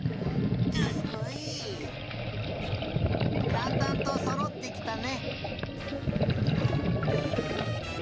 だんだんとそろってきたね。